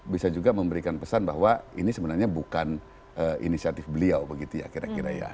bisa juga memberikan pesan bahwa ini sebenarnya bukan inisiatif beliau begitu ya kira kira ya